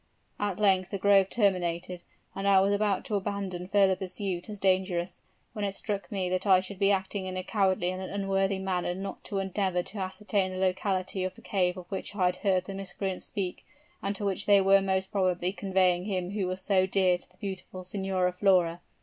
"At length the grove terminated, and I was about to abandon further pursuit as dangerous, when it struck me that I should be acting in a cowardly and unworthy manner not to endeavor to ascertain the locality of the cave of which I had heard the miscreants speak, and to which they were most probably conveying him who was so dear to the beautiful Signora Flora.